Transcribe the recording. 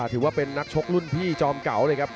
ถือว่าเป็นนักชกรุ่นพี่จอมเก่าเลยครับ